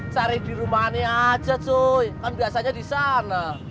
cari di rumahannya aja cuy kan biasanya di sana